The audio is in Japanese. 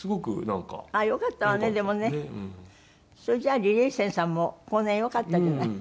それじゃあ李麗仙さんも後年よかったんじゃない。